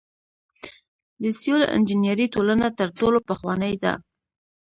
د سیول انجنیری ټولنه تر ټولو پخوانۍ ده.